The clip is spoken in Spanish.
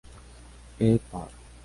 E. Parr.